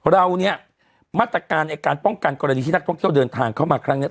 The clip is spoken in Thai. เราเนี่ยมาตรการในการป้องกันกรณีที่นักท่องเที่ยวเดินทางเข้ามาครั้งนี้